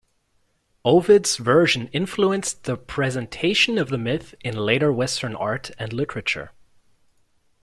Ovid's version influenced the presentation of the myth in later Western art and literature.